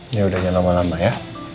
ya udah jangan lama lama ya